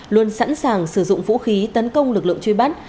luôn sẵn sàng sử dụng vũ khí tấn công lực lượng chơi bắn